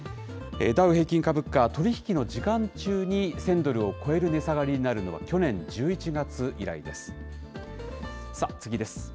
ダウ平均株価、取り引きの時間中に１０００ドルを超える値下がりになるのは去年１１月以来です。